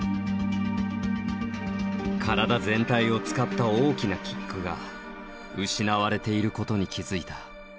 体全体を使った大きなキックが失われていることに気付いた。